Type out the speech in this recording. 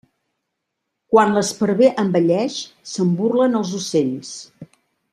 Quan l'esparver envelleix, se'n burlen els ocells.